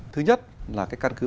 thứ nhất là căn cứ phát triển